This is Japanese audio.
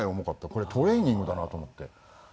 これトレーニングだなと思って。